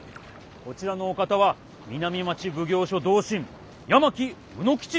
こちらのお方は南町奉行所同心八巻卯之吉様だぞ。